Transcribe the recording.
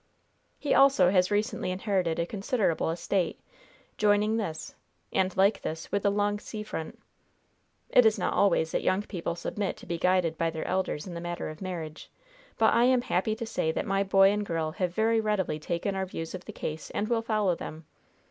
He also has recently inherited a considerable estate, joining this, and, like this, with a long sea front. It is not always that young people submit to be guided by their elders in the matter of marriage, but I am happy to say that my boy and girl have very readily taken our views of the case and will follow them.